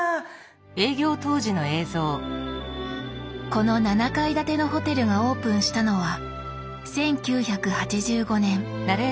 この７階建てのホテルがオープンしたのは１９８５年。